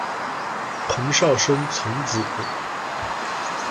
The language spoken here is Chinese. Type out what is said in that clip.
彭绍升从子。